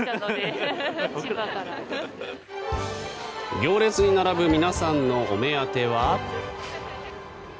行列に並ぶ皆さんのお目当ては。